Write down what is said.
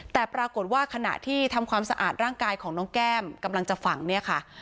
แต่ปรากฏว่าขณะที่ทำความสะอาดร่างกายของน้องแก้มกำลังจะฝังเนี่ยค่ะ